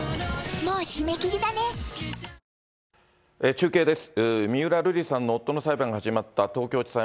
中継です。